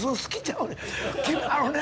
君あのね。